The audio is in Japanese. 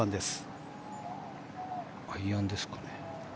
アイアンですかね。